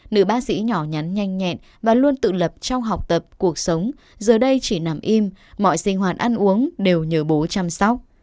nữ bác sĩ nhỏ nhắn nhanh nhẹn và luôn tự lập trong học tập cuộc sống giờ đây chỉ nằm im mọi sinh hoạt ăn uống đều nhờ bố chăm sóc